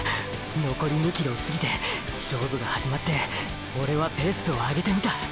のこり２ｋｍをすぎて勝負が始まってオレはペースを上げてみた。